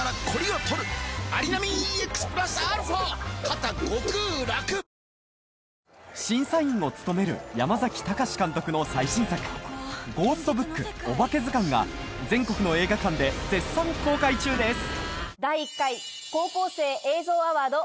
果たして審査員を務める山崎貴監督の最新作『ゴーストブックおばけずかん』が全国の映画館で絶賛公開中です